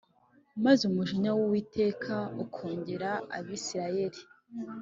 maze umujinya w uwiteka ukongera abisirayeli